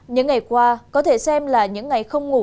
những ngày qua có thể xem là những ngày không ngủ